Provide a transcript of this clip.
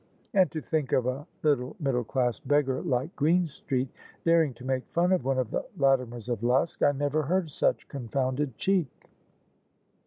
And to think of a little middle class beggar like Greenstreet daring to make fun of one of the Latimers of Luske. I never heard such confounded cheek!